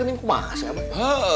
aku mah kasih abah